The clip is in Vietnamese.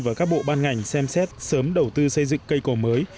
và các bộ ban ngành xem xét sớm đầu tư xây dựng cây cầu mới